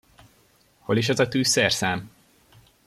Hol is az a tűzszerszám?